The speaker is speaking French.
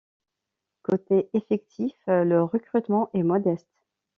Côté effectif, le recrutement est modeste.